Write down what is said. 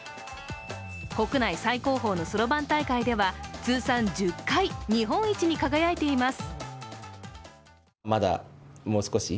国内最高峰のそろばん大会では通算１０回、日本一に輝いています。